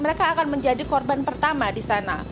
mereka akan menjadi korban pertama di sana